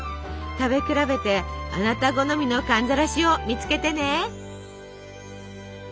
食べ比べてあなた好みの寒ざらしを見つけてね。